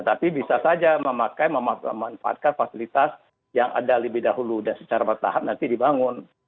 tapi bisa saja memakai memanfaatkan fasilitas yang ada lebih dahulu dan secara bertahap nanti dibangun